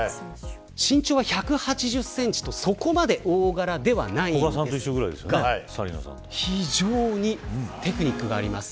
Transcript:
身長は１８０センチとそこまで大柄ではないんですが非常にテクニックがあります。